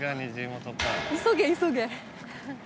急げ急げ。